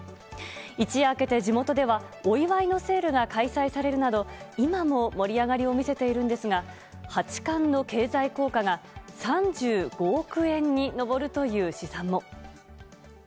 一夜明けて地元ではお祝いのセールが行われるなど今も盛り上がりを見せているんですが八冠の経済効果が３５億円に上るという試算も。